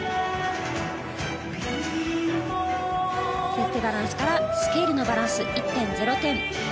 フェッテバランスからスケールのバランス１．０点。